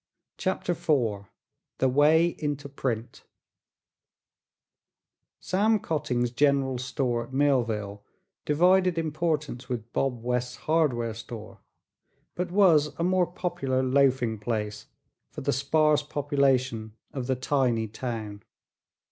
CHAPTER IV THE WAY INTO PRINT Sam Cotting's General Store at Millville divided importance with Bob West's hardware store but was a more popular loafing place for the sparse population of the tiny town.